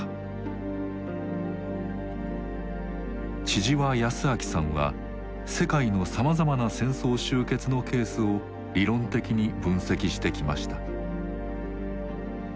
千々和泰明さんは世界のさまざまな戦争終結のケースを理論的に分析してきました。